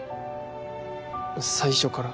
最初から。